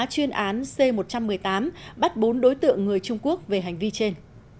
chuyên án c một trăm một mươi tám bắt bốn đối tượng người trung quốc về hành vi trên